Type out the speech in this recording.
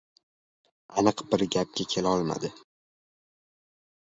Aniq bir gapga kelolmadi.